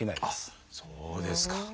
あっそうですか。